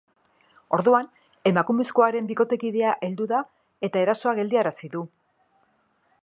Orduan, emakumezkoaren bikotekidea heldu da, eta erasoa geldiarazi du.